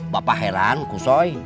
bapak heran kusoy